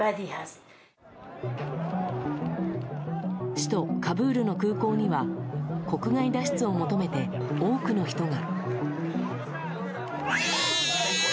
首都カブールの空港には国外脱出を求めて多くの人が。